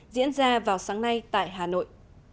diễn ra vào sáng nay tại hà nội